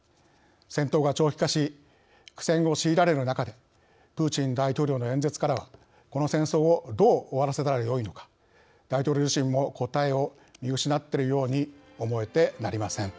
戦闘が長期化し苦戦を強いられる中でプーチン大統領の演説からはこの戦争をどう終わらせたらよいのか大統領自身も答えを見失っているように思えてなりません。